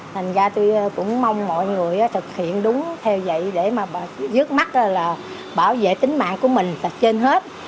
thành ra tôi cũng mong mọi người thực hiện đúng theo dạy để mà dứt mắt là bảo vệ tính mạng của mình là trên hết